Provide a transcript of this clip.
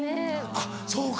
あっそうか。